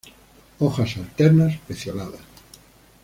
Hojas alternas; pecioladas.